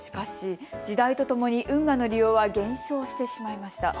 しかし、時代とともに運河の利用は減少してしまいました。